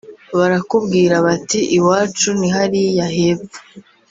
Barakubwira bati ‘iwacu nihariya h’epfo